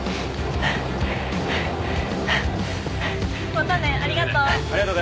またねありがとう。